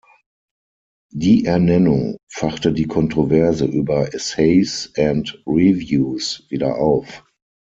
Die Ernennung fachte die Kontroverse über "Essays and Reviews" wieder auf.